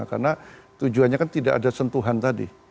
karena tujuannya kan tidak ada sentuhan tadi